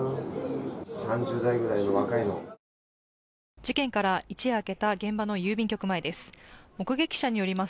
事件から一夜明けた現場の郵便局前です。